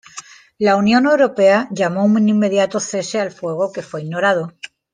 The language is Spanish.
La Unión Europea llamó a un inmediato cese al fuego, que fue ignorado.